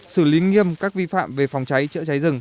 xử lý nghiêm các vi phạm về phòng cháy chữa cháy rừng